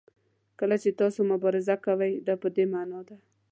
کله چې تاسو مبارزه کوئ دا په دې معنا ده.